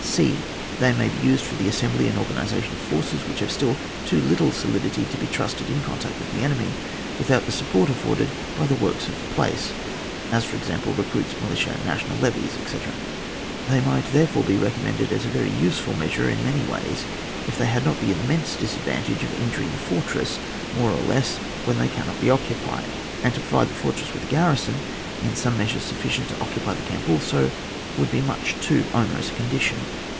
e. They may be used for the assembly and organisation of forces which have still too little solidity to be trusted in contact with the enemy, without the sup port afforded by the works of the place, as for example, recruits, militia, national levies, etc. They might, therefore, be recommended as a very usefrd measure, in many ways, if they had not the immense disadvantage of injuring the fortress, more or less, when they cannot be occupied ; and to provide the fortress always with a garri son, in some measure sufficient to occupy the camp also, would be much too onerous a condition.